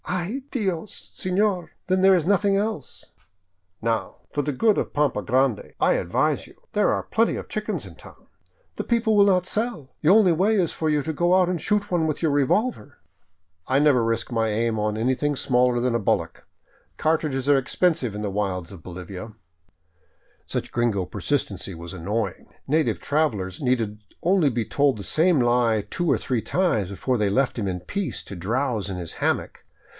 " Ay, Dios, senor, then there is nothing else." " Now, for the good of Pampa Grande, I advise you ! There are plenty of chickens in town." " The people will not sell. The only way is for you to go out and shoot one with your revolver." 534 ON FOOT ACROSS TROPICAL BOLIVIA " I never risk my aim on anything smaller than a bullock. Car tridges are expensive in the wilds of Bolivia." Such gringo persistency was annoying. Native travelers needed only to be told the same lie two or three times before they left him in peace to drowse in his hammock.